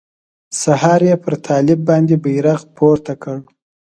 سهار يې پر طالب باندې بيرغ پورته کړ.